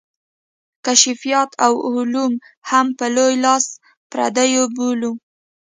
کشفیات او علوم هم په لوی لاس پردي بولو.